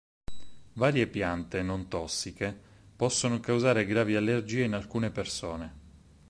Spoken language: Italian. Varie piante non tossiche possono causare gravi allergie in alcune persone.